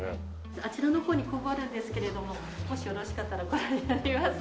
あちらの方に工房あるんですけれどももしよろしかったらご覧になりますか？